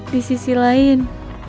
di sisi lain